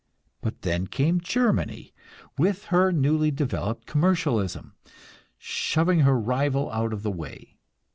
But then came Germany, with her newly developed commercialism, shoving her rival out of the way.